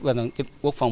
và đồng kết quốc phòng bốn